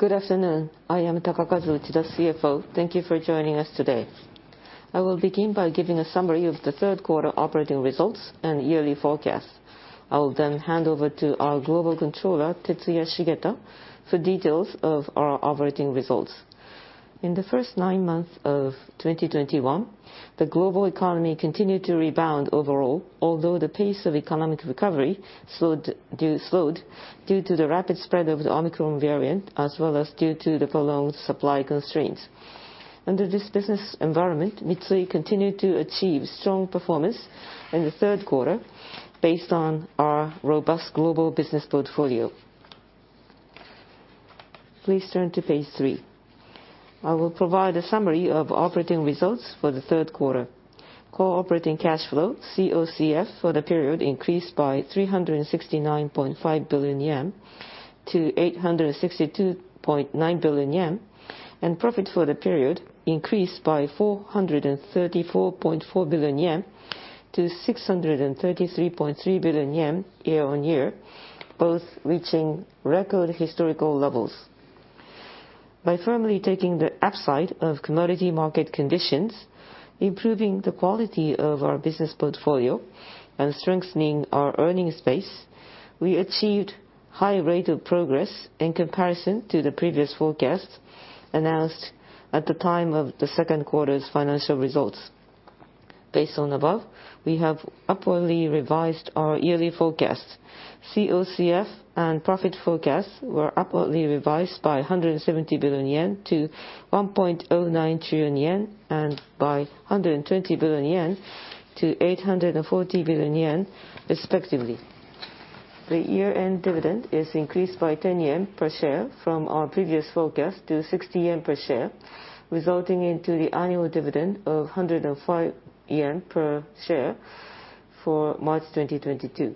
Good afternoon. I am Takakazu Uchida, CFO. Thank you for joining us today. I will begin by giving a summary of the Q3 operating results and yearly forecast. I will then hand over to our global controller, Tetsuya Shigeta, for details of our operating results. In the first nine months of 2021, the global economy continued to rebound overall, although the pace of economic recovery slowed due to the rapid spread of the Omicron variant, as well as due to the prolonged supply constraints. Under this business environment, Mitsui continued to achieve strong performance in the Q3 based on our robust global business portfolio. Please turn to page three. I will provide a summary of operating results for the Q3. Core operating cash flow, COCF, for the period increased by 369.5 to 862.9 billion, and profit for the period increased by 434.4 to 633.3 billion year-on-year, both reaching record historical levels. By firmly taking the upside of commodity market conditions, improving the quality of our business portfolio, and strengthening our earnings base, we achieved high rate of progress in comparison to the previous forecast announced at the time of the Q2's financial results. Based on above, we have upwardly revised our yearly forecast. COCF and profit forecasts were upwardly revised by 170 to 1.09 trillion, and by 120 yen to 840 billion respectively. The year-end dividend is increased by 10 yen per share from our previous forecast to 60 yen per share, resulting into the annual dividend of 105 yen per share for March 2022.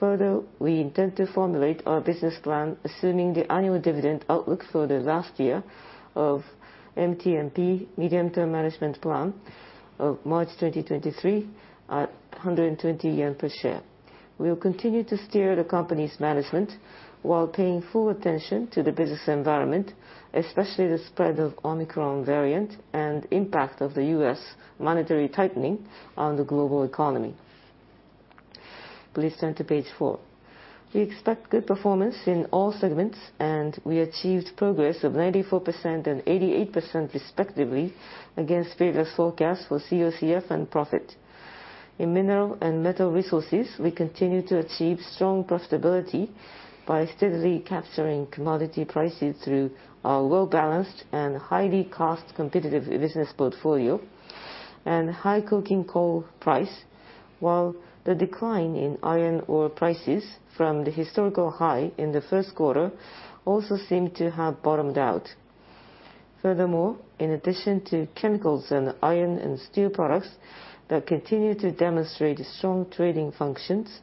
Further, we intend to formulate our business plan assuming the annual dividend outlook for the last year of MTMP, Medium-term Management Plan, of March 2023 at 120 yen per share. We will continue to steer the company's management while paying full attention to the business environment, especially the spread of Omicron variant and impact of the US monetary tightening on the global economy. Please turn to page 4. We expect good performance in all segments, and we achieved progress of 94% and 88% respectively against previous forecast for COCF and profit. In mineral and metal resources, we continue to achieve strong profitability by steadily capturing commodity prices through our well-balanced and highly cost competitive business portfolio and high coking coal price, while the decline in iron ore prices from the historical high in the Q1 also seem to have bottomed out. Furthermore, in addition to chemicals and iron and steel products that continue to demonstrate strong trading functions,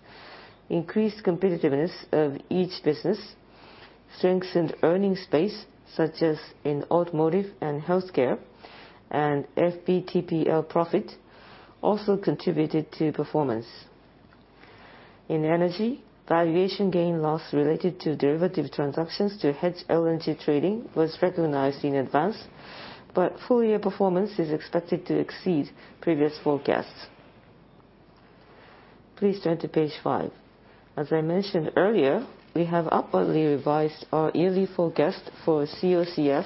increased competitiveness of each business, strengthened earnings base, such as in automotive and healthcare, and FBT&L profit also contributed to performance. In energy, valuation gain loss related to derivative transactions to hedge LNG trading was recognized in advance, but full year performance is expected to exceed previous forecasts. Please turn to page 5. As I mentioned earlier, we have upwardly revised our yearly forecast for COCF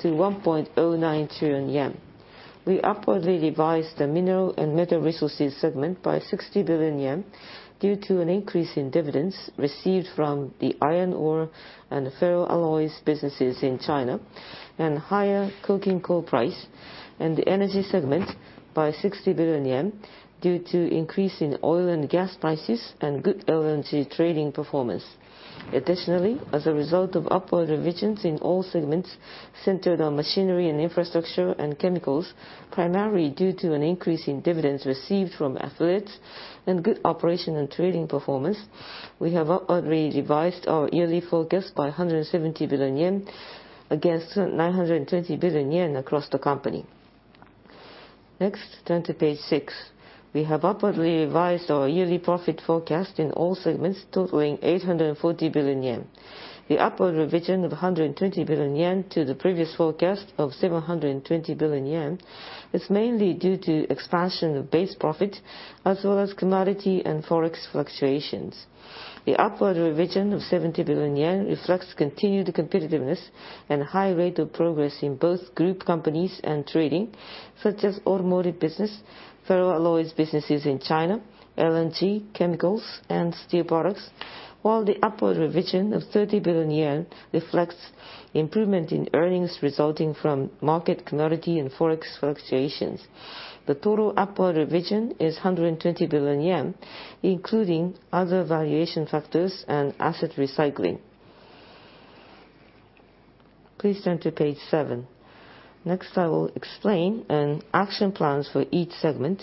to 1.09 trillion yen. We upwardly revised the Mineral and Metal Resources segment by 60 billion yen due to an increase in dividends received from the iron ore and ferroalloys businesses in China, and higher coking coal prices, and the Energy segment by 60 billion yen due to increase in oil and gas prices and good LNG trading performance. Additionally, as a result of upward revisions in all segments centered on Machinery and Infrastructure and Chemicals, primarily due to an increase in dividends received from affiliates and good operational and trading performance, we have upwardly revised our yearly forecast by 170 billion yen against 920 billion yen across the company. Next, turn to page 6. We have upwardly revised our yearly profit forecast in all segments totaling 840 billion yen. The upward revision of 120 billion yen to the previous forecast of 720 billion yen is mainly due to expansion of base profit as well as commodity and Forex fluctuations. The upward revision of 70 billion yen reflects continued competitiveness and high rate of progress in both group companies and trading, such as automotive business, ferroalloys businesses in China, LNG, chemicals, and steel products, while the upward revision of 30 billion yen reflects improvement in earnings resulting from market commodity and Forex fluctuations. The total upward revision is 120 billion yen, including other valuation factors and asset recycling. Please turn to page seven. Next, I will explain the action plans for each segment,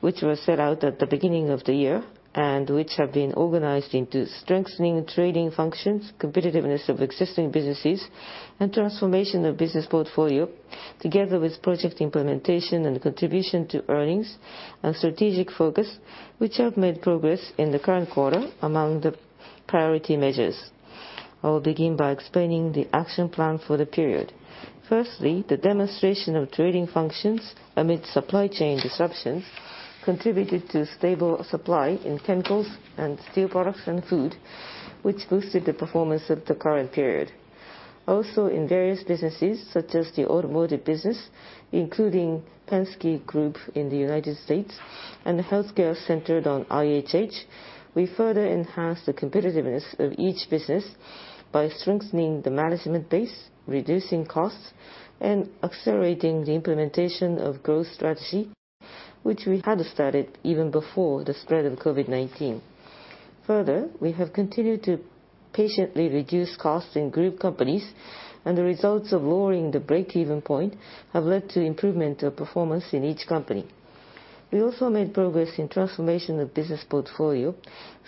which were set out at the beginning of the year and which have been organized into strengthening trading functions, competitiveness of existing businesses, and transformation of business portfolio, together with project implementation and contribution to earnings and strategic focus, which have made progress in the current quarter among the priority measures. I will begin by explaining the action plan for the period. Firstly, the demonstration of trading functions amid supply chain disruptions contributed to stable supply in chemicals and steel products and food, which boosted the performance of the current period. Also, in various businesses such as the automotive business, including Penske Group in the United States and the healthcare centered on IHH, we further enhanced the competitiveness of each business by strengthening the management base, reducing costs, and accelerating the implementation of growth strategy, which we had started even before the spread of COVID-19. Further, we have continued to patiently reduce costs in group companies, and the results of lowering the break-even point have led to improvement of performance in each company. We also made progress in transformation of business portfolio,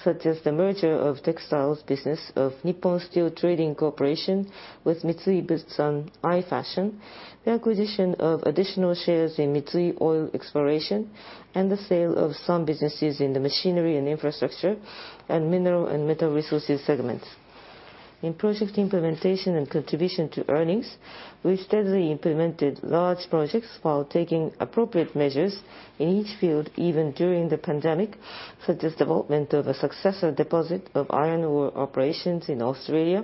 such as the merger of textiles business of Nippon Steel Trading Corporation with Mitsui Bussan I-Fashion, the acquisition of additional shares in Mitsui Oil Exploration, and the sale of some businesses in the machinery and infrastructure and mineral and metal resources segments. In project implementation and contribution to earnings, we steadily implemented large projects while taking appropriate measures in each field, even during the pandemic, such as development of a successor deposit of iron ore operations in Australia,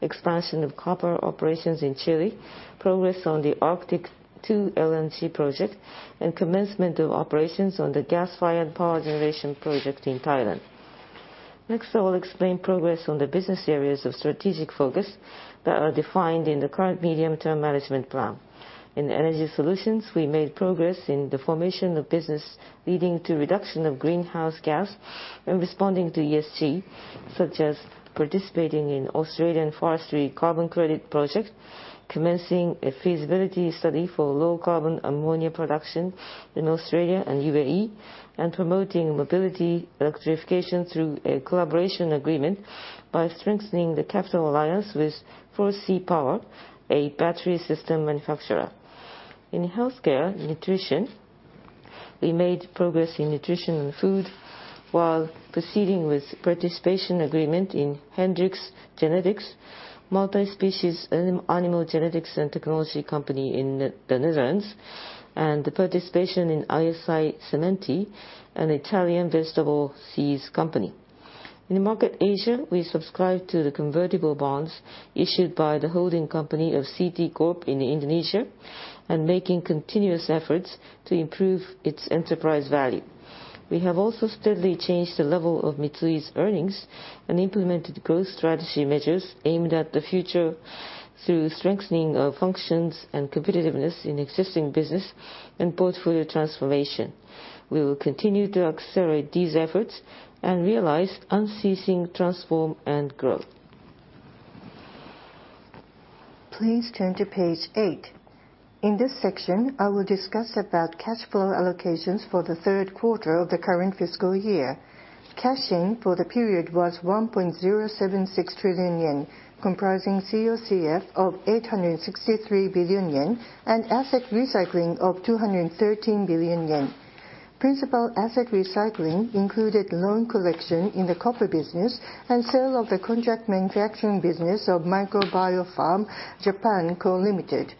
expansion of copper operations in Chile, progress on the Arctic LNG 2 project, and commencement of operations on the gas-fired power generation project in Thailand. Next, I will explain progress on the business areas of strategic focus that are defined in the current Medium-term Management Plan. In energy solutions, we made progress in the formation of business leading to reduction of greenhouse gas when responding to ESG, such as participating in Australian forestry carbon credit project, commencing a feasibility study for low carbon ammonia production in Australia and UAE, and promoting mobility electrification through a collaboration agreement by strengthening the capital alliance with Forsee Power, a battery system manufacturer. In healthcare nutrition, we made progress in nutrition and food while proceeding with participation agreement in Hendrix Genetics, multi-species animal genetics and technology company in the Netherlands, and the participation in ISI Sementi, an Italian vegetable seeds company. In the market Asia, we subscribe to the convertible bonds issued by the holding company of CT Corp in Indonesia and making continuous efforts to improve its enterprise value. We have also steadily changed the level of Mitsui's earnings and implemented growth strategy measures aimed at the future through strengthening of functions and competitiveness in existing business and portfolio transformation. We will continue to accelerate these efforts and realize unceasing transformation and growth. Please turn to page 8. In this section, I will discuss about cash flow allocations for the Q3 of the current fiscal year. Cash in for the period was 1.076 trillion yen, comprising COCF of 863 billion yen, and asset recycling of 213 billion yen. Principal asset recycling included loan collection in the copper business and sale of the contract manufacturing business of MicroBiopharm Japan Co., Ltd.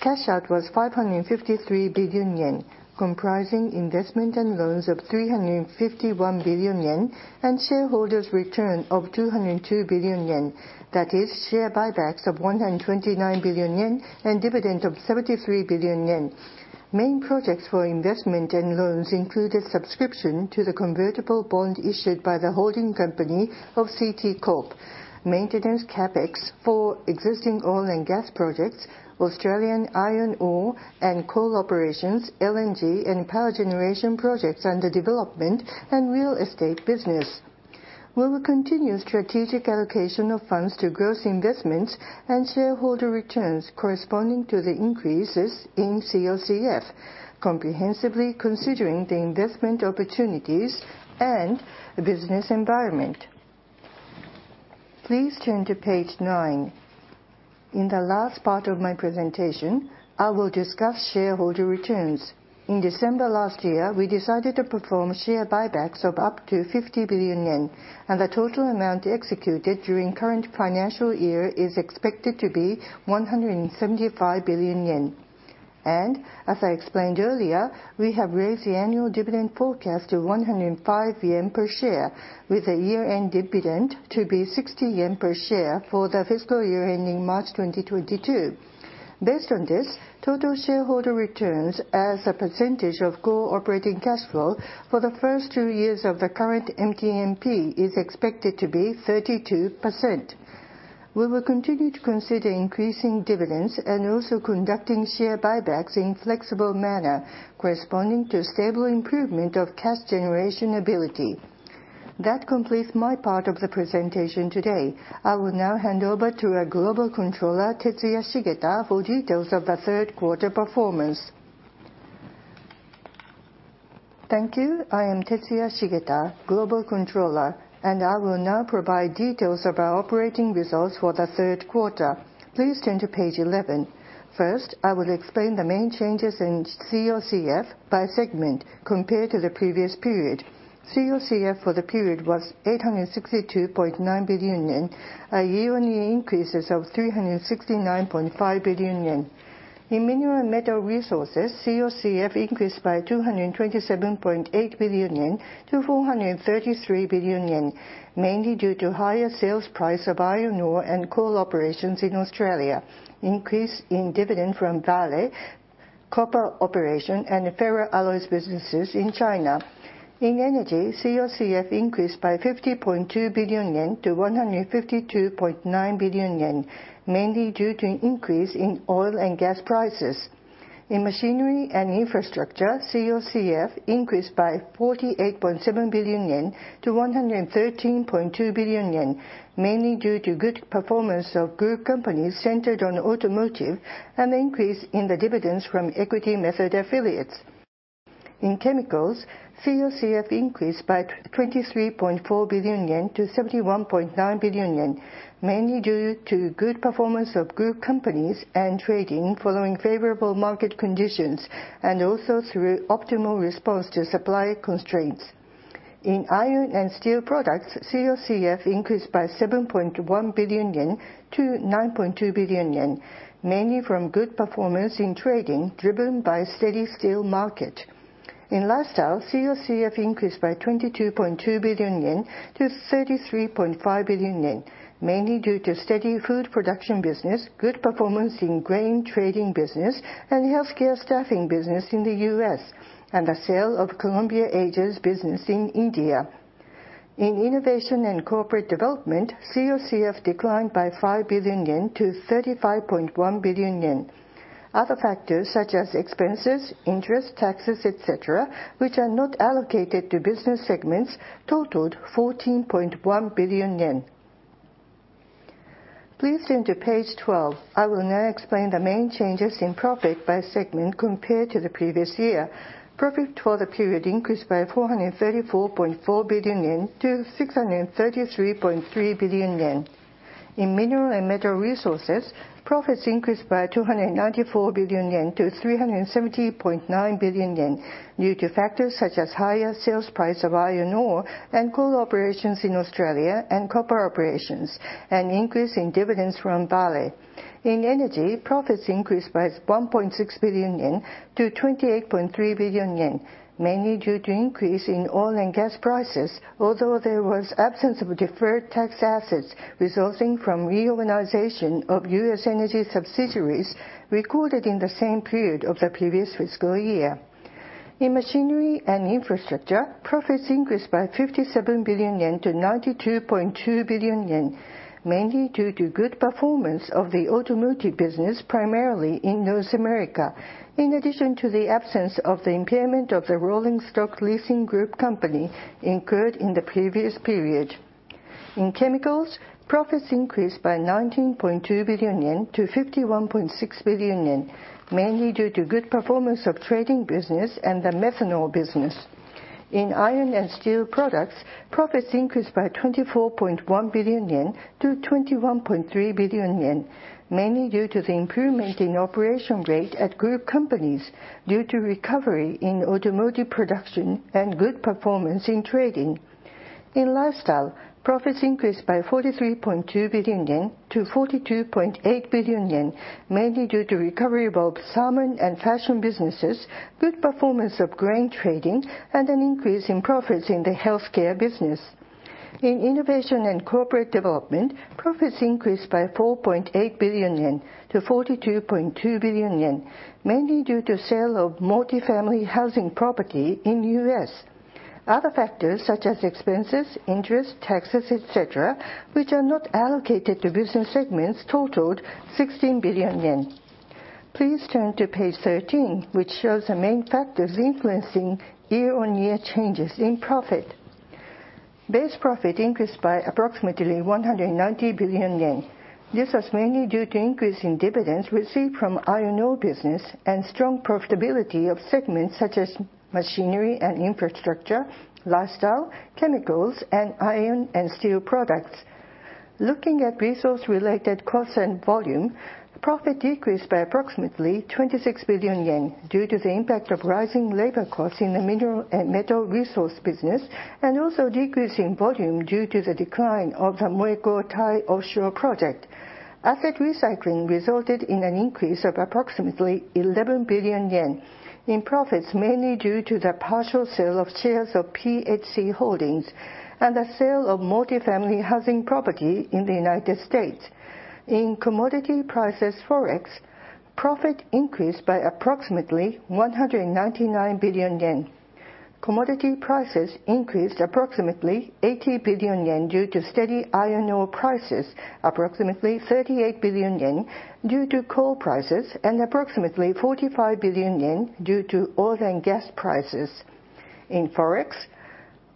Cash out was 553 billion yen, comprising investment and loans of 351 billion yen, and shareholders return of 202 billion yen. That is share buybacks of 129 billion yen and dividend of 73 billion yen. Main projects for investment and loans included subscription to the convertible bond issued by the holding company of CT Corp, maintenance CapEx for existing oil and gas projects, Australian iron ore and coal operations, LNG and power generation projects under development, and real estate business. We will continue strategic allocation of funds to gross investments and shareholder returns corresponding to the increases in COCF, comprehensively considering the investment opportunities and the business environment. Please turn to page 9. In the last part of my presentation, I will discuss shareholder returns. In December last year, we decided to perform share buybacks of up to 50 billion yen, and the total amount executed during current financial year is expected to be 175 billion yen. As I explained earlier, we have raised the annual dividend forecast to 105 yen per share with a year-end dividend to be 60 yen per share for the fiscal year ending March 2022. Based on this, total shareholder returns as a percentage of core operating cash flow for the first two years of the current MTMP is expected to be 32%. We will continue to consider increasing dividends and also conducting share buybacks in flexible manner corresponding to stable improvement of cash generation ability. That completes my part of the presentation today. I will now hand over to our Global Controller, Tetsuya Shigeta, for details of the Q3 performance. Thank you. I am Tetsuya Shigeta, Global Controller, and I will now provide details of our operating results for the Q3. Please turn to page 11. First, I will explain the main changes in COCF by segment compared to the previous period. COCF for the period was 862.9 billion yen, a year-on-year increase of 369.5 billion yen. In Mineral and Metal Resources, COCF increased by 227.8 to 433 billion, mainly due to higher sales price of iron ore and coal operations in Australia, increase in dividend from Vale, copper operation, and the ferro alloys businesses in China. In Energy, COCF increased by 50.2 to 152.9 billion, mainly due to an increase in oil and gas prices. In machinery and infrastructure, COCF increased by 48.7 to 113.2 billion, mainly due to good performance of group companies centered on automotive and the increase in the dividends from equity method affiliates. In chemicals, COCF increased by 23.4 to 71.9 billion, mainly due to good performance of group companies and trading following favorable market conditions, and also through optimal response to supply constraints. In iron and steel products, COCF increased by 7.1 to 9.2 billion, mainly from good performance in trading driven by steady steel market. In Lifestyle, COCF increased by 22.2 to 33.5 billion, mainly due to steady food production business, good performance in grain trading business, and healthcare staffing business in the US, and the sale of Columbia Asia business in India. In Innovation and Corporate Development, COCF declined by 5 to 35.1 billion. Other factors such as expenses, interest, taxes, et cetera, which are not allocated to business segments totaled JPY 14.1 billion. Please turn to page 12. I will now explain the main changes in profit by segment compared to the previous year. Profit for the period increased by 434.4 to 633.3 billion. In mineral and metal resources, profits increased by 294 to 370.9 billion due to factors such as higher sales price of iron ore and coal operations in Australia and copper operations, an increase in dividends from Vale. In energy, profits increased by one point six billion yen to 28.3 billion yen, mainly due to increase in oil and gas prices, although there was absence of deferred tax assets resulting from reorganization of US energy subsidiaries recorded in the same period of the previous fiscal year. In machinery and infrastructure, profits increased by 57 to 92.2 billion, mainly due to good performance of the automotive business, primarily in North America, in addition to the absence of the impairment of the rolling stock leasing group company incurred in the previous period. In Chemicals, profits increased by 19.2 to 51.6 billion, mainly due to good performance of trading business and the methanol business. In Iron and Steel Products, profits increased by 24.1 to 21.3 billion, mainly due to the improvement in operation rate at group companies due to recovery in automotive production and good performance in trading. In Lifestyle, profits increased by 43.2 to 42.8 billion, mainly due to recovery of both salmon and fashion businesses, good performance of grain trading, and an increase in profits in the healthcare business. In Innovation and Corporate Development, profits increased by 4.8 to 42.2 billion, mainly due to sale of multi-family housing property in US Other factors such as expenses, interest, taxes, et cetera, which are not allocated to business segments totaled 16 billion yen. Please turn to page 13, which shows the main factors influencing year-on-year changes in profit. Base profit increased by approximately 190 billion yen. This was mainly due to increase in dividends received from iron ore business and strong profitability of segments such as machinery and infrastructure, lifestyle, chemicals, and iron and steel products. Looking at resource-related costs and volume, profit decreased by approximately 26 billion yen due to the impact of rising labor costs in the mineral and metal resource business, and also decrease in volume due to the decline of the MOECO Thailand offshore project. Asset recycling resulted in an increase of approximately 11 billion yen. In profits, mainly due to the partial sale of shares of PHC Holdings and the sale of multi-family housing property in the United States. In commodity prices Forex, profit increased by approximately 199 billion yen. Commodity prices increased approximately 80 billion yen due to steady iron ore prices, approximately 38 billion yen due to coal prices, and approximately 45 billion yen due to oil and gas prices. In Forex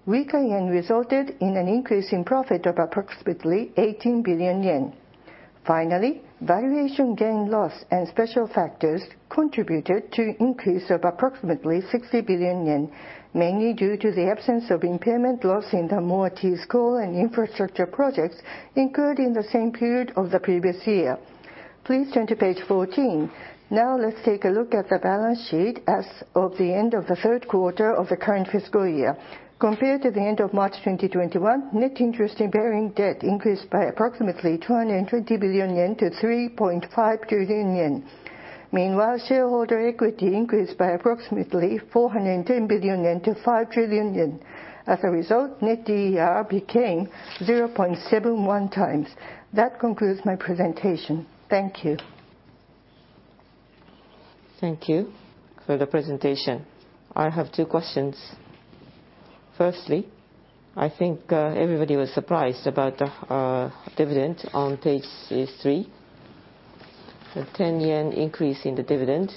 Weak yen resulted in an increase in profit of approximately 18 billion yen. Finally, valuation gain/loss and special factors contributed to increase of approximately 60 billion yen, mainly due to the absence of impairment loss in the Moatize coal and infrastructure projects incurred in the same period of the previous year. Please turn to page 14. Now let's take a look at the balance sheet as of the end of the Q3 of the current fiscal year. Compared to the end of March 2021, net interest-bearing debt increased by approximately 220 to 3.5 trillion. Meanwhile, shareholder equity increased by approximately 410 to 5 trillion. As a result, net DER became 0.71 times. That concludes my presentation. Thank you. Thank you for the presentation. I have two questions. Firstly, I think everybody was surprised about the dividend on page three. The 10 yen increase in the dividend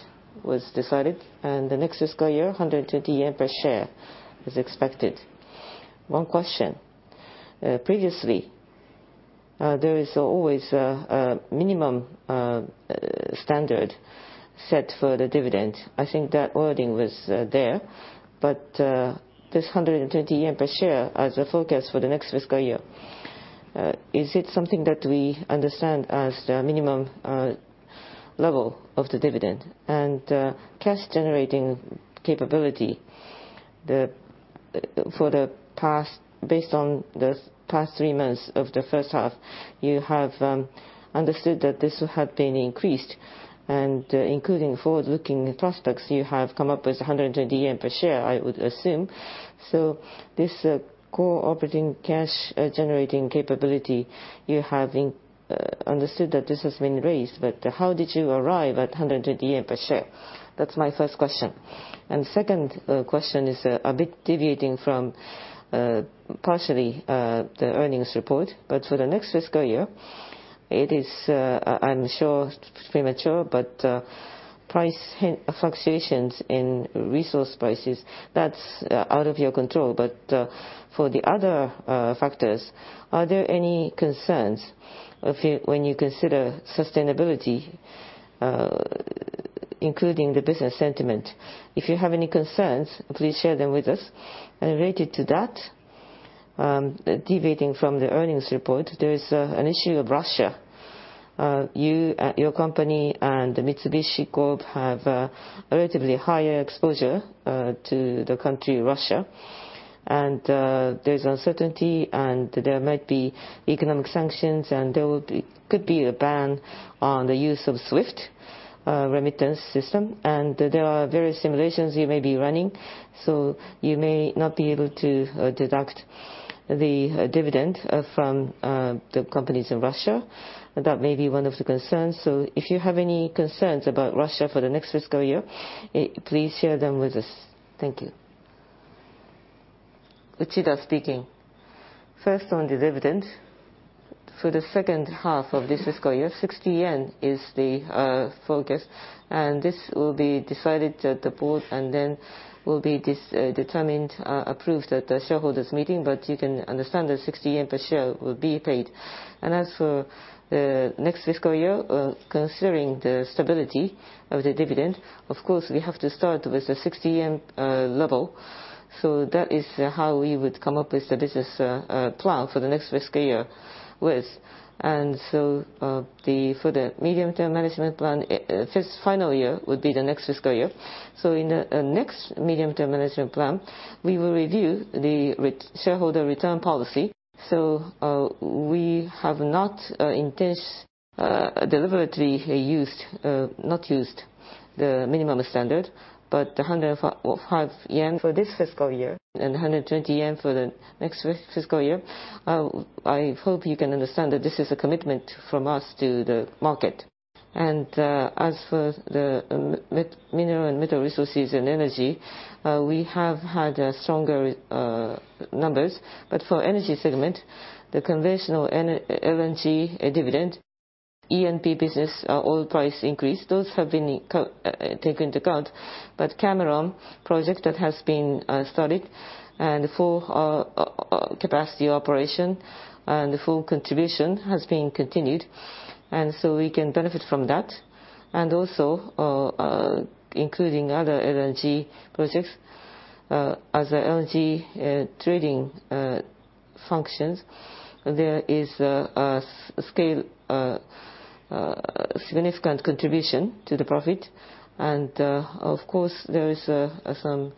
was decided, and the next fiscal year, 120 yen per share is expected. One question, previously, there is always a minimum standard set for the dividend. I think that wording was there. This 120 yen per share as a forecast for the next fiscal year, is it something that we understand as the minimum level of the dividend? Cash generating capability, the for the past based on the past three months of the first half, you have understood that this had been increased, and including forward-looking prospects, you have come up with a 120 yen per share, I would assume. This core operating cash generating capability, you have understood that this has been raised, but how did you arrive at 120 per share? That's my first question. Second question is a bit deviating from partially the earnings report. For the next fiscal year, it is, I'm sure, premature, but price fluctuations in resource prices, that's out of your control. For the other factors, are there any concerns if you, when you consider sustainability, including the business sentiment? If you have any concerns, please share them with us. Related to that, deviating from the earnings report, there is an issue of Russia. Your company and Mitsubishi Corp have a relatively higher exposure to the country Russia. There's uncertainty, and there might be economic sanctions, and there could be a ban on the use of SWIFT remittance system. There are various simulations you may be running, so you may not be able to deduct the dividend from the companies in Russia. That may be one of the concerns. If you have any concerns about Russia for the next fiscal year, please share them with us. Thank you. Takakazu Uchida speaking. First, on the dividend, for the second half of this fiscal year, 60 yen is the forecast, and this will be decided at the board and then will be determined, approved at the shareholders meeting. You can understand that 60 yen per share will be paid. As for the next fiscal year, considering the stability of the dividend, of course, we have to start with the 60 yen level. That is how we would come up with the business plan for the next fiscal year. For the Medium-term Management Plan, fifth final year would be the next fiscal year. In the next Medium-term Management Plan, we will review the shareholder return policy. We deliberately not used the minimum standard, but 105 yen for this fiscal year and 120 yen for the next fiscal year. I hope you can understand that this is a commitment from us to the market. As for the Mineral & Metal Resources and Energy, we have had stronger numbers. For the Energy segment, the conventional energy LNG dividend, E&P business, oil price increase, those have been taken into account. The Cameron LNG project that has been started and full capacity operation and full contribution has been continued. We can benefit from that. Also, including other LNG projects, as LNG trading functions, there is a scale significant contribution to the profit. Of course, there is some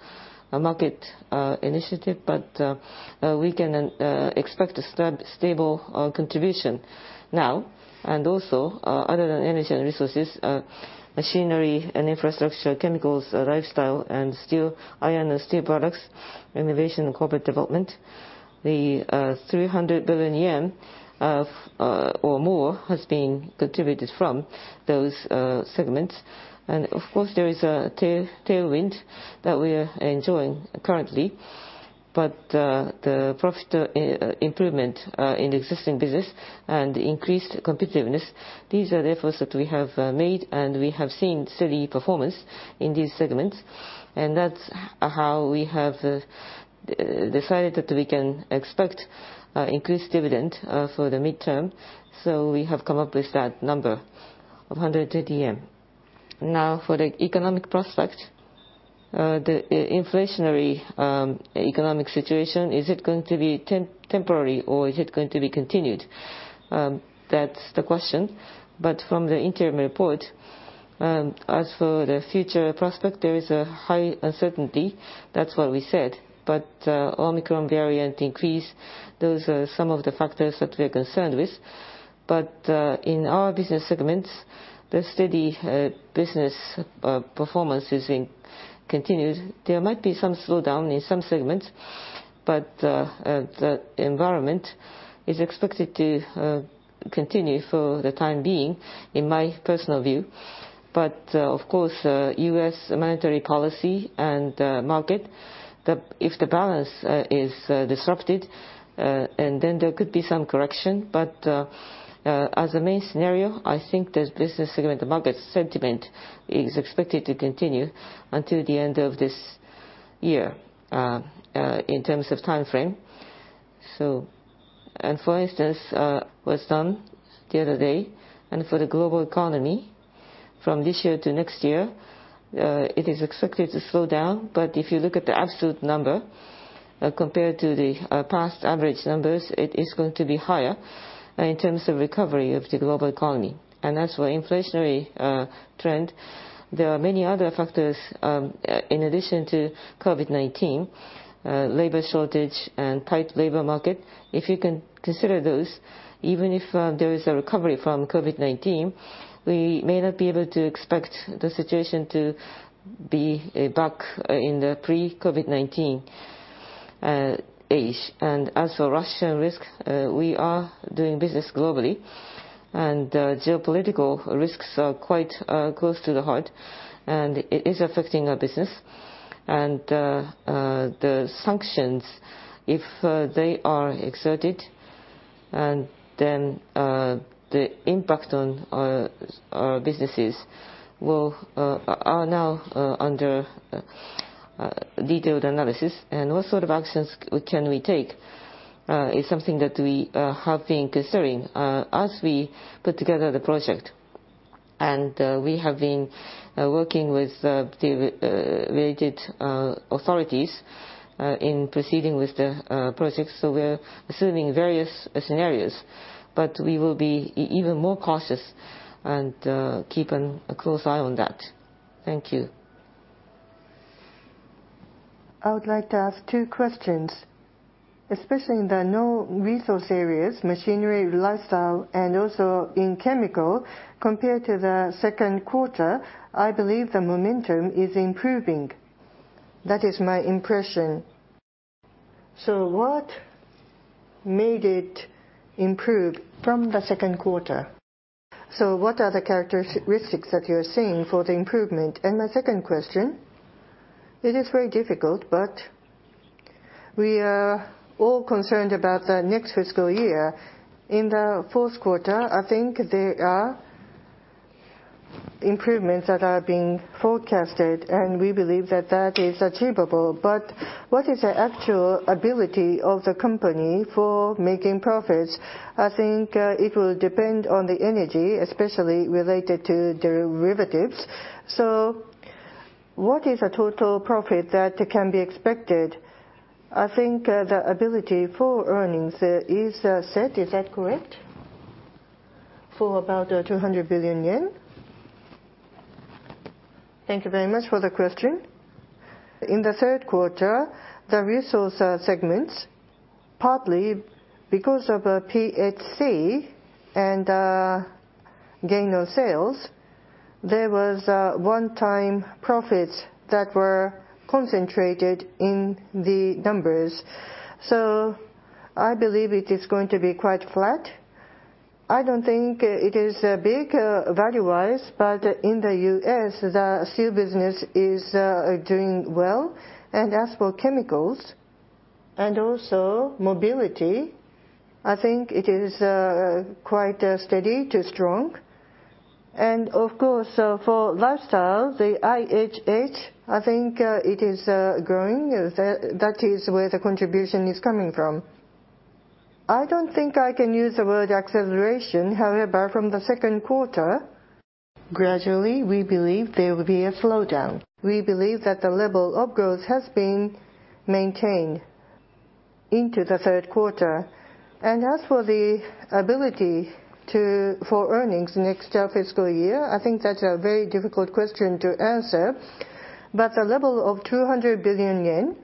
market initiative, but we can expect a stable contribution now. Also, other than energy and resources, machinery and infrastructure, chemicals, lifestyle, and steel, iron and steel products, innovation and corporate development, the 300 billion yen or more has been contributed from those segments. Of course, there is a tailwind that we are enjoying currently. The profit improvement in existing business and increased competitiveness, these are the efforts that we have made, and we have seen steady performance in these segments. That's how we have decided that we can expect increased dividend for the mid-term. We have come up with that number of 100 yen. Now, for the economic prospect, the inflationary economic situation, is it going to be temporary or is it going to be continued? That's the question. From the interim report, as for the future prospect, there is a high uncertainty. That's what we said. Omicron variant increase, those are some of the factors that we are concerned with. In our business segments, the steady business performance is continued. There might be some slowdown in some segments, but the environment is expected to continue for the time being, in my personal view. Of course, US monetary policy and market, if the balance is disrupted, and then there could be some correction. As a main scenario, I think the business segment market sentiment is expected to continue until the end of this year, in terms of timeframe. For instance, was done the other day, and for the global economy from this year to next year, it is expected to slow down. If you look at the absolute number, compared to the past average numbers, it is going to be higher in terms of recovery of the global economy. As for the inflationary trend, there are many other factors in addition to COVID-19, labor shortage and tight labor market. If you can consider those, even if there is a recovery from COVID-19, we may not be able to expect the situation to be back in the pre-COVID-19 era. As for Russian risk, we are doing business globally, and geopolitical risks are quite close to the heart, and it is affecting our business. The sanctions, if they are exerted, and then the impact on our businesses will be now under detailed analysis. What sort of actions can we take is something that we have been considering as we put together the project. We have been working with the related authorities in proceeding with the projects. We're assuming various scenarios, but we will be even more cautious and keep a close eye on that. Thank you. I would like to ask two questions. Especially in the non-resource areas, machinery, lifestyle, and also in chemical, compared to the Q2, I believe the momentum is improving. That is my impression. What made it improve from the Q2? What are the characteristics that you're seeing for the improvement? My second question, it is very difficult, but we are all concerned about the next fiscal year. In the Q4, I think there are improvements that are being forecasted, and we believe that that is achievable. What is the actual ability of the company for making profits? I think, it will depend on the energy, especially related to derivatives. What is the total profit that can be expected? I think, the ability for earnings, is set. Is that correct? For about, two hundred billion yen. Thank you very much for the question. In the Q3, the resource segments, partly because of PHC and gain of sales, there was one-time profits that were concentrated in the numbers. I believe it is going to be quite flat. I don't think it is big value-wise, but in the US, the steel business is doing well. As for chemicals and also mobility, I think it is quite steady to strong. Of course, for lifestyle, the IHH, I think, it is growing. That is where the contribution is coming from. I don't think I can use the word acceleration. However, from the Q2, gradually we believe there will be a slowdown. We believe that the level of growth has been maintained into the Q3. As for earnings next fiscal year, I think that's a very difficult question to answer. The level of 200 billion yen,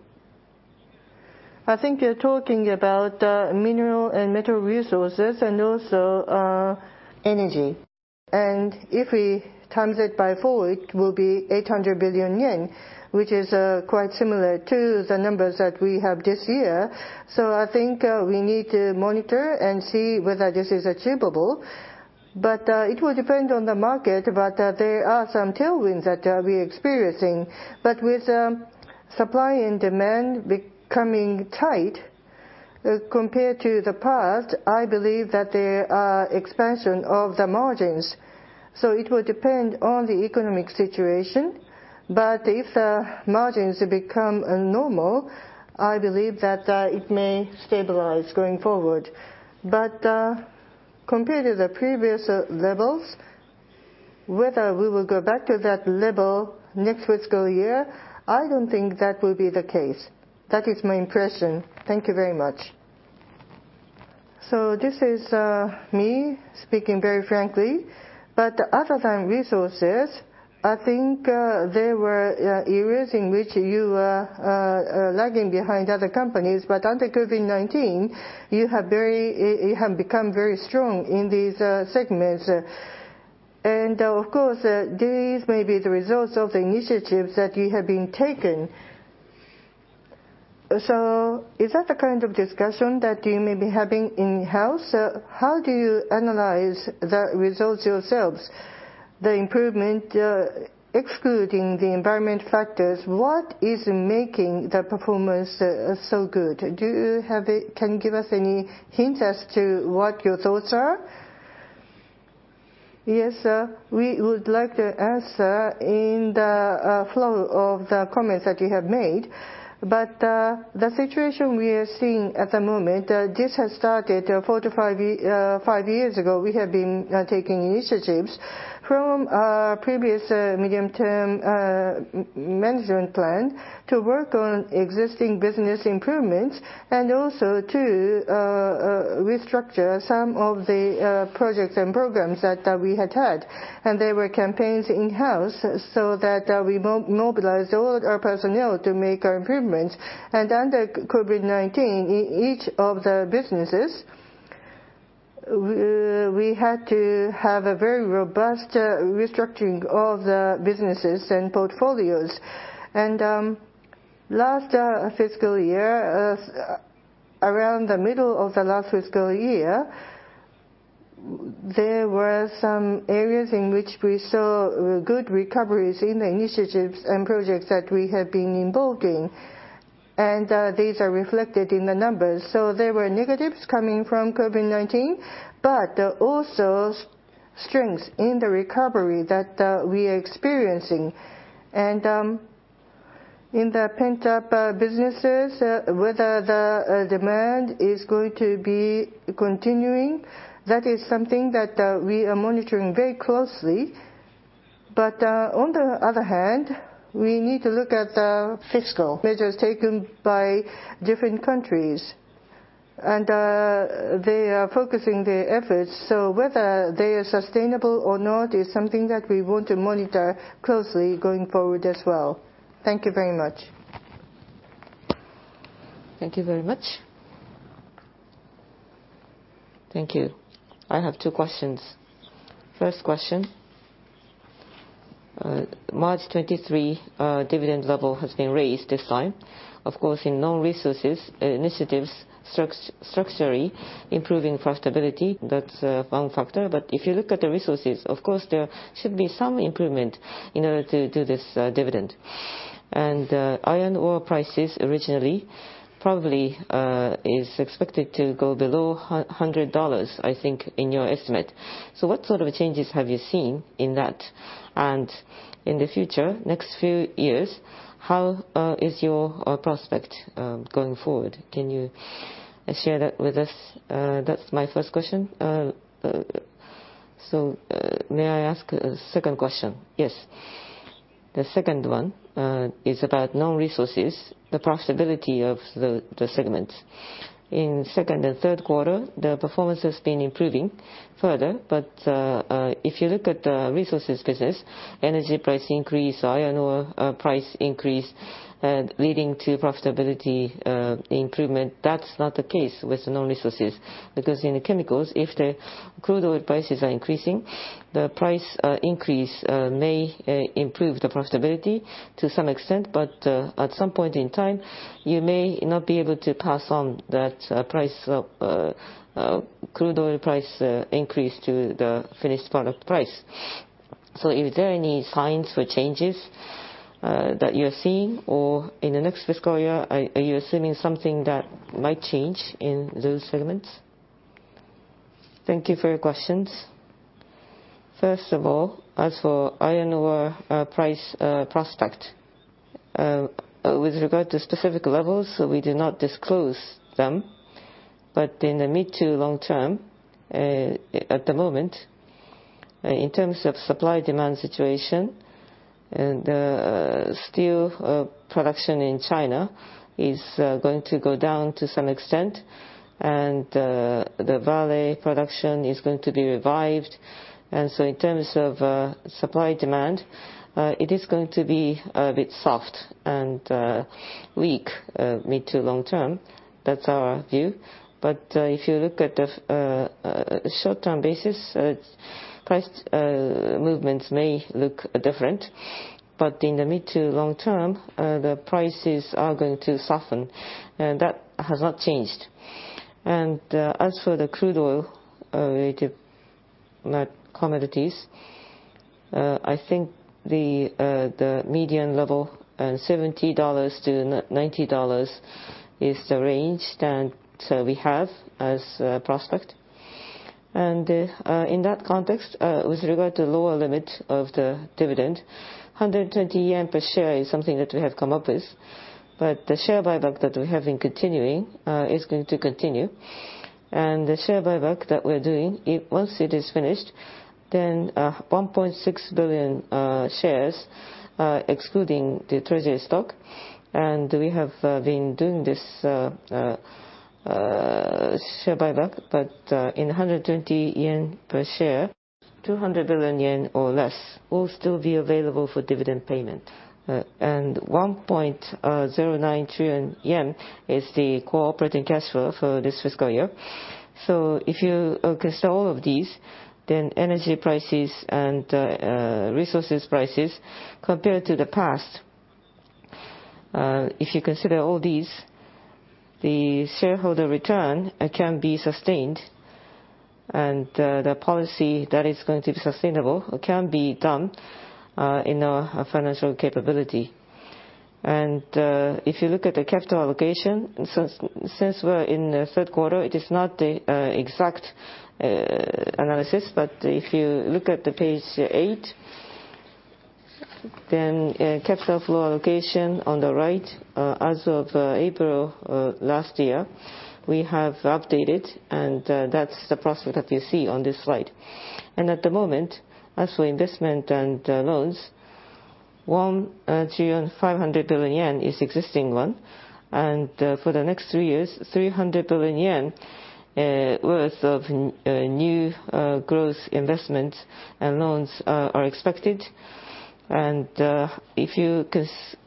I think you're talking about mineral and metal resources and also energy. If we times it by four, it will be 800 billion yen, which is quite similar to the numbers that we have this year. I think we need to monitor and see whether this is achievable. It will depend on the market, but there are some tailwinds that we're experiencing. With supply and demand becoming tight, compared to the past, I believe that there are expansion of the margins. It will depend on the economic situation. If the margins become normal, I believe that it may stabilize going forward. Compared to the previous levels, whether we will go back to that level next fiscal year, I don't think that will be the case. That is my impression. Thank you very much. This is me speaking very frankly. Other than resources, I think there were areas in which you are lagging behind other companies. Under COVID-19, you have become very strong in these segments. Of course, these may be the results of the initiatives that you have been taking. Is that the kind of discussion that you may be having in-house? How do you analyze the results yourselves? The improvement, excluding the environmental factors, what is making the performance so good? Can you give us any hint as to what your thoughts are? Yes. We would like to answer in the flow of the comments that you have made. The situation we are seeing at the moment, this has started 4-5 years ago. We have been taking initiatives from our previous Medium-term Management Plan to work on existing business improvements, and also to restructure some of the projects and programs that we had had. There were campaigns in-house so that we mobilized all our personnel to make our improvements. Under COVID-19, each of the businesses, we had to have a very robust restructuring of the businesses and portfolios. Last fiscal year, around the middle of the last fiscal year, there were some areas in which we saw good recoveries in the initiatives and projects that we had been involved in. These are reflected in the numbers. There were negatives coming from COVID-19, but also strengths in the recovery that we are experiencing. In the pent-up businesses, whether the demand is going to be continuing, that is something that we are monitoring very closely. On the other hand, we need to look at the fiscal measures taken by different countries. they are focusing their efforts, so whether they are sustainable or not is something that we want to monitor closely going forward as well. Thank you very much. Thank you very much. Thank you. I have two questions. First question, March 23 dividend level has been raised this time. Of course, in non-resources initiatives, structurally improving profitability, that's one factor. But if you look at the resources, of course, there should be some improvement in order to do this dividend. Iron ore prices originally probably is expected to go below $100, I think, in your estimate. What sort of changes have you seen in that? In the future, next few years, how is your prospect going forward? Can you share that with us? That's my first question. May I ask a second question? Yes. The second one is about non-resources, the profitability of the segment. In second and Q3, the performance has been improving further. If you look at the resources business, energy price increase, iron ore price increase leading to profitability improvement, that's not the case with non-resources. Because in the chemicals, if the crude oil prices are increasing, the price increase may improve the profitability to some extent. At some point in time, you may not be able to pass on that price of crude oil price increase to the finished product price. Is there any signs for changes that you're seeing? Or in the next fiscal year, are you assuming something that might change in those segments? Thank you for your questions. First of all, as for iron ore price prospects, with regard to specific levels, we do not disclose them. In the mid to long term, at the moment, in terms of supply-demand situation, steel production in China is going to go down to some extent. Vale production is going to be revived. In terms of supply-demand, it is going to be a bit soft and weak mid to long term. That's our view. If you look at the short-term basis, Price movements may look different, but in the mid to long term, the prices are going to soften, and that has not changed. As for the crude oil related like commodities, I think the median level $70 to 90 is the range that we have as a prospect. In that context, with regard to lower limit of the dividend, 120 yen per share is something that we have come up with. The share buyback that we have been continuing is going to continue. The share buyback that we're doing, once it is finished, then 1.6 billion shares, excluding the treasury stock, and we have been doing this share buyback, but in 120 yen per share, 200 billion yen or less will still be available for dividend payment. 1.09 trillion yen is the operating cash flow for this fiscal year. If you consider all of these, then energy prices and resource prices compared to the past, if you consider all these, the shareholder return can be sustained. The policy that is going to be sustainable can be done in our financial capability. If you look at the capital allocation, since we're in the Q3, it is not the exact analysis. If you look at page 8, capital allocation on the right, as of April last year, we have updated, and that's the prospect that you see on this slide. At the moment, as for investment and loans, 1.5 trillion yen is the existing one. For the next three years, 300 billion yen worth of new growth investment and loans are expected. If you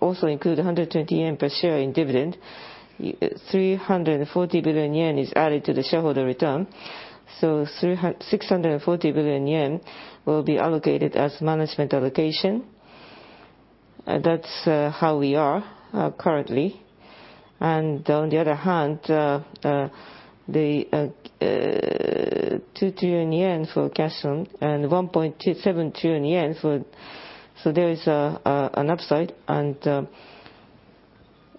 also include 120 yen per share in dividend, 340 billion yen is added to the shareholder return. 640 billion yen will be allocated as capital allocation. That's how we are currently. On the other hand, the 2 trillion yen for cash and 1.7 trillion yen for... There is an upside, and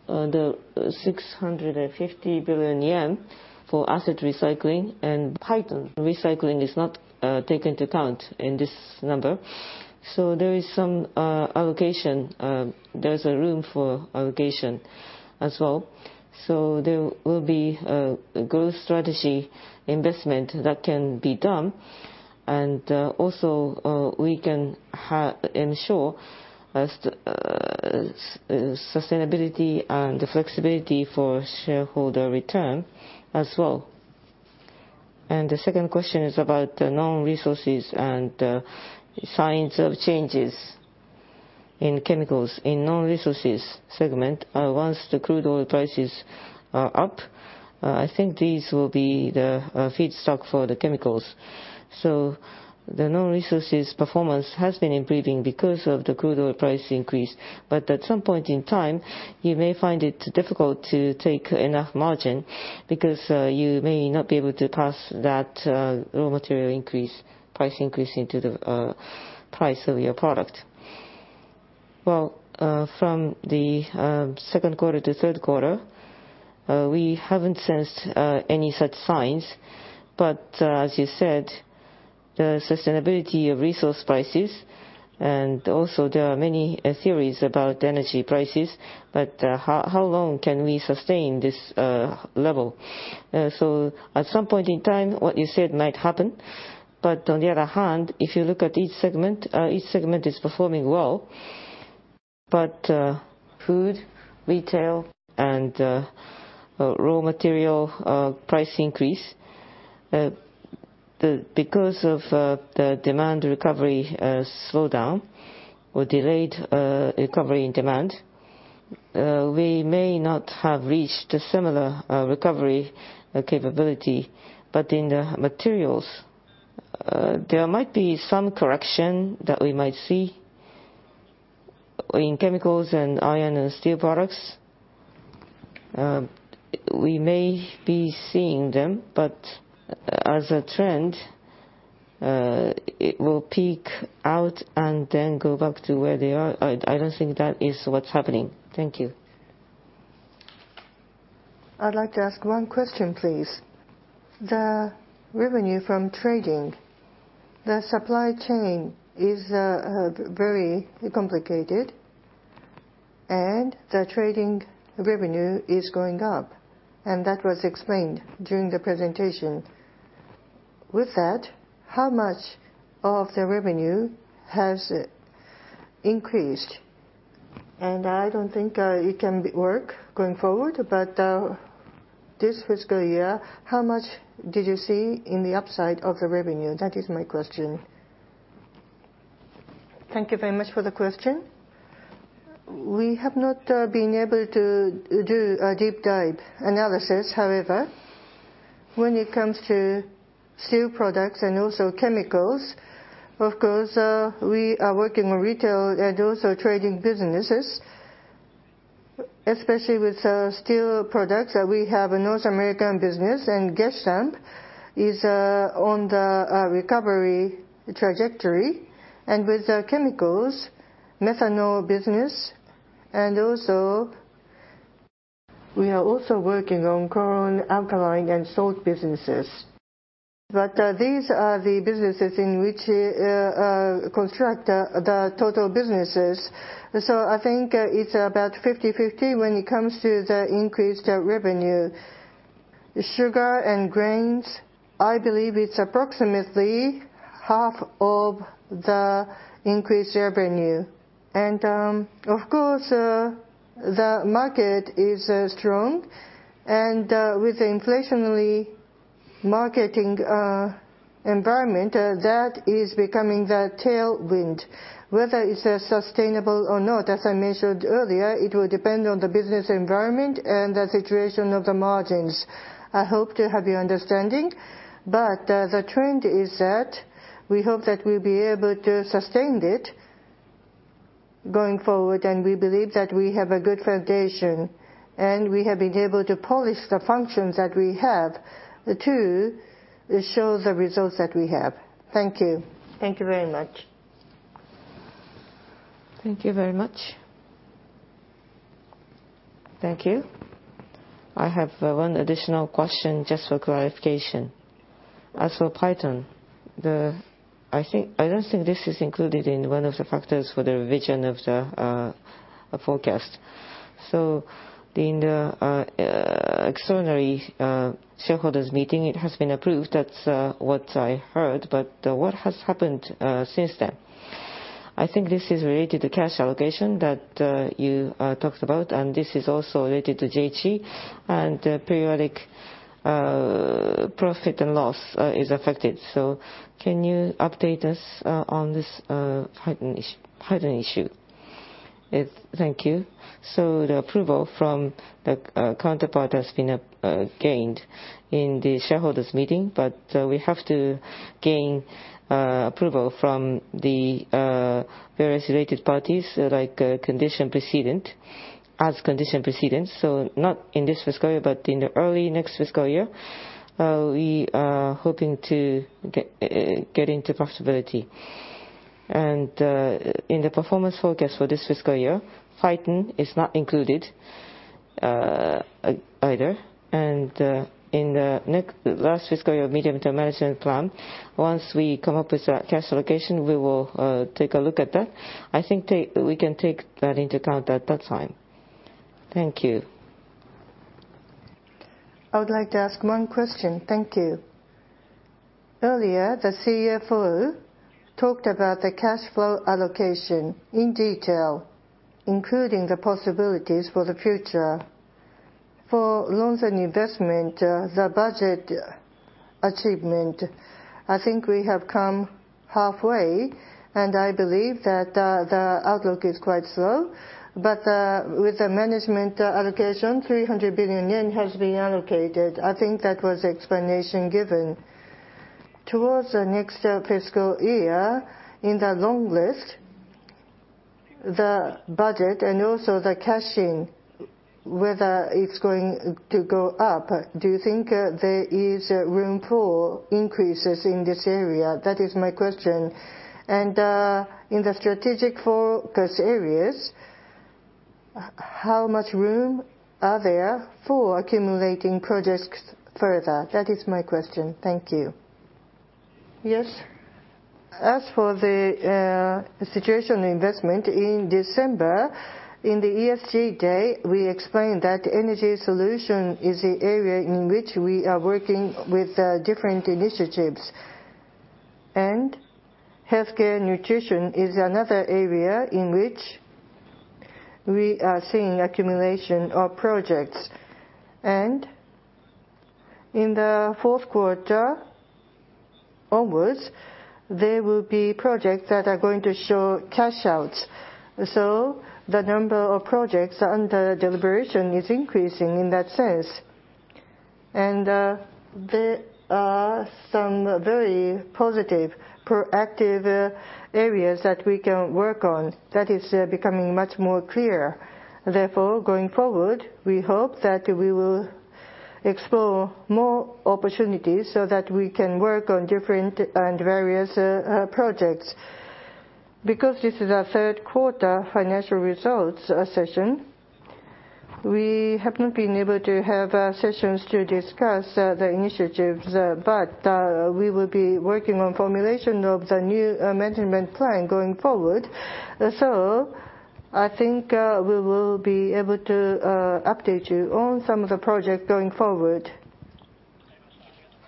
the 650 billion yen for asset recycling, and asset recycling is not taken into account in this number. There is some allocation, there's a room for allocation as well. There will be growth strategy investment that can be done. We can ensure sustainability and flexibility for shareholder return as well. The second question is about the non-resources and signs of changes in chemicals. In non-resources segment, once the crude oil prices are up, I think these will be the feedstock for the chemicals. The non-resources performance has been improving because of the crude oil price increase. At some point in time, you may find it difficult to take enough margin because you may not be able to pass that raw material increase, price increase into the price of your product. Well, from the Q2 to Q3, we haven't sensed any such signs. As you said, the sustainability of resource prices, and also there are many theories about energy prices, but how long can we sustain this level? At some point in time, what you said might happen. On the other hand, if you look at each segment, each segment is performing well. Food, retail, and raw material price increase, because of the demand recovery slow down or delayed recovery in demand, we may not have reached a similar recovery capability. In the materials, there might be some correction that we might see. In chemicals and iron and steel products, we may be seeing them, but as a trend, it will peak out and then go back to where they are. I don't think that is what's happening. Thank you. I'd like to ask one question, please. The revenue from trading, the supply chain is very complicated, and the trading revenue is going up, and that was explained during the presentation. With that, how much of the revenue has increased? I don't think it can work going forward, but this fiscal year, how much did you see in the upside of the revenue? That is my question. Thank you very much for the question. We have not been able to do a deep dive analysis. However, when it comes to steel products and also chemicals, of course, we are working with retail and also trading businesses, especially with steel products, we have a North American business, and Gestamp is on the recovery trajectory. With chemicals, methanol business, and also we are also working on chlorine, alkaline, and salt businesses. These are the businesses that constitute the total businesses. I think it's about 50/50 when it comes to the increased revenue. Sugar and grains, I believe it's approximately half of the increased revenue. Of course, the market is strong, and with the inflationary market environment that is becoming the tailwind. Whether it's sustainable or not, as I mentioned earlier, it will depend on the business environment and the situation of the margins. I hope to have your understanding. The trend is that we hope that we'll be able to sustain it going forward, and we believe that we have a good foundation, and we have been able to polish the functions that we have. That, too, shows the results that we have. Thank you. Thank you very much. Thank you very much. Thank you. I have one additional question just for clarification. As for Paiton, I don't think this is included in one of the factors for the revision of the forecast. In the extraordinary shareholders meeting, it has been approved. That's what I heard. What has happened since then? I think this is related to cash allocation that you talked about, and this is also related to JG, and periodic profit and loss is affected. Can you update us on this Paiton issue? Thank you. The approval from the counterpart has been gained in the shareholders meeting. We have to gain approval from the various related parties, like condition precedent, as condition precedent. Not in this fiscal year, but in the early next fiscal year, we are hoping to get into possibility. In the performance forecast for this fiscal year, Paiton is not included either. In the next Medium-term Management Plan, once we come up with a cash allocation, we will take a look at that. I think we can take that into account at that time. Thank you. I would like to ask one question. Thank you. Earlier, the CFO talked about the cash flow allocation in detail, including the possibilities for the future. For loans and investment, the budget achievement, I think we have come halfway, and I believe that the outlook is quite slow. With the management allocation, 300 billion yen has been allocated. I think that was the explanation given. Towards the next fiscal year, in the long list, the budget and also the cash in, whether it's going to go up, do you think there is room for increases in this area? That is my question. In the strategic focus areas, how much room are there for accumulating projects further? That is my question. Thank you. Yes. As for the strategic investment, in December, in the ESG Day, we explained that energy solution is the area in which we are working with different initiatives. Healthcare nutrition is another area in which we are seeing accumulation of projects. In the Q4 onwards, there will be projects that are going to show cash outflows. The number of projects under deliberation is increasing in that sense. There are some very positive, proactive areas that we can work on. That is becoming much more clear. Therefore, going forward, we hope that we will explore more opportunities so that we can work on different and various projects. Because this is our Q3 financial results session, we have not been able to have sessions to discuss the initiatives. we will be working on formulation of the new management plan going forward. I think we will be able to update you on some of the projects going forward.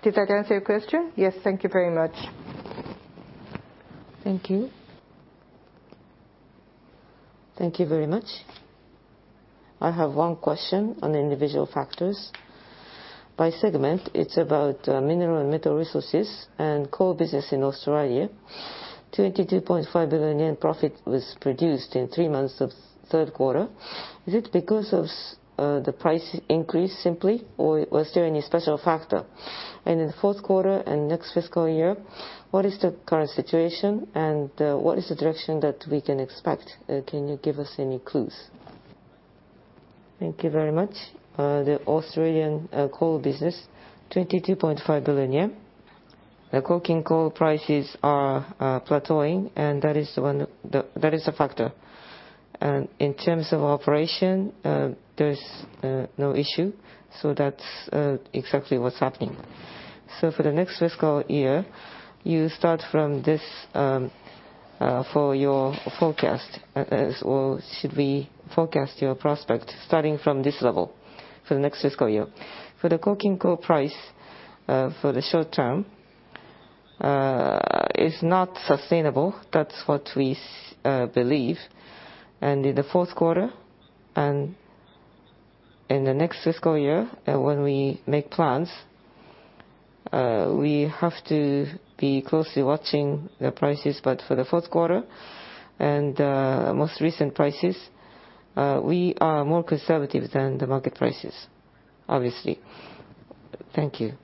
Did that answer your question? Yes. Thank you very much. Thank you. Thank you very much. I have one question on individual factors. By segment, it's about mineral and metal resources and coal business in Australia. 22.5 billion yen profit was produced in 3 months of Q3. Is it because of the price increase simply, or was there any special factor? In the Q4 and next fiscal year, what is the current situation, and what is the direction that we can expect? Can you give us any clues? Thank you very much. The Australian coal business, 22.5 billion yen. The coking coal prices are plateauing, and that is a factor. In terms of operation, there's no issue. That's exactly what's happening. For the next fiscal year, you start from this for your forecast, or should we forecast your prospect starting from this level for the next fiscal year. For the coking coal price, for the short term, is not sustainable. That's what we believe. In the Q4, and in the next fiscal year, when we make plans, we have to be closely watching the prices. For the Q4 and most recent prices, we are more conservative than the market prices, obviously. Thank you.